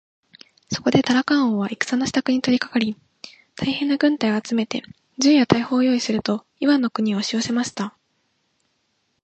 そこでタラカン王は戦のしたくに取りかかり、大へんな軍隊を集めて、銃や大砲をよういすると、イワンの国へおしよせました。